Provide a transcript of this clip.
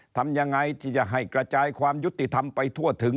ทำยังไงที่จะให้กระจายความยุติธรรมไปทั่วถึง